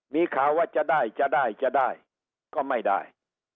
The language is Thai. มีข่าวว่าจะได้จะได้จะได้ก็ไม่ได้